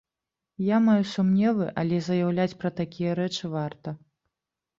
Я маю сумневы, але заяўляць пра такія рэчы варта.